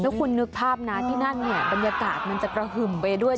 คุณนึกภาพนะที่นั่นเนี่ยบรรยากาศมันจะกระหึ่มไปด้วย